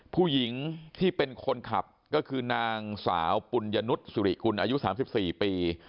ผู้หญิงที่เป็นคนขับก็คือนางสาวปุญญนุษย์สุริกุลอายุ๓๔ปี